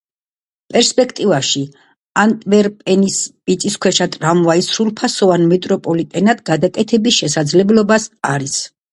პერსპექტივაში ანტვერპენის მიწისქვეშა ტრამვაის სრულფასოვან მეტროპოლიტენად გადაკეთების შესაძლებლობაც არის.